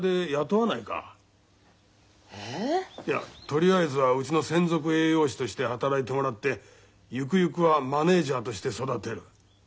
いやとりあえずはうちの専属栄養士として働いてもらってゆくゆくはマネージャーとして育てる。